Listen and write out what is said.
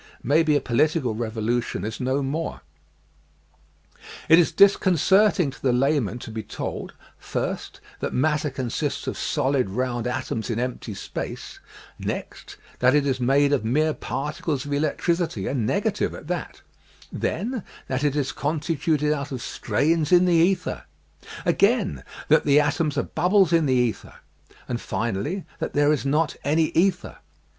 Maybe a political revolution is no more. It is disconcerting to the layman to be told, first, that matter consists of solid round atoms in empty space; next, that it is made of mere particles of elec 104 EASY LESSONS IN EINSTEIN tricity and negative at that ; then that it is constituted out of strains in the ether; again, that the atoms are bubbles in the ether; and finally, that there is not any ether.